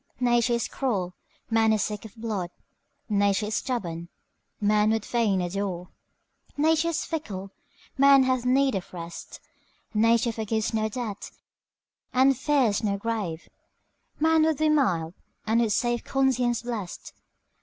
Nature is cruel, man is sick of blood; Nature is stubborn, man would fain adore; Nature is fickle, man hath need of rest; Nature forgives no debt, and fears no grave; Man would be mild, and with safe conscience blest.